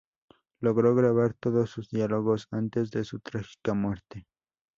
Logró grabar todos sus diálogos antes de su trágica muerte.